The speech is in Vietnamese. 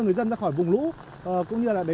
người dân ra khỏi vùng lũ cũng như là để